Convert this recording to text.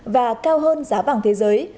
và cao hơn giá vàng thế giới